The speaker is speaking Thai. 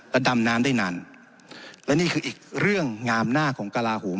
และดำน้ำได้นานและนี่คืออีกเรื่องงามหน้าของกระลาโหม